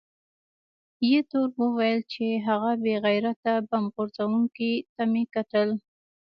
ایټور وویل چې، هغه بې غیرته بم غورځوونکي ته مې کتل.